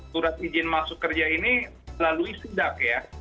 surat izin masuk kerja ini melalui sidak ya